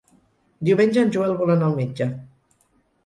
Diumenge en Joel vol anar al metge.